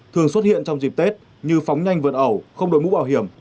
thường xuất hiện trong dịp tết như phóng nhanh vượt ẩu không đổi mũ bảo hiểm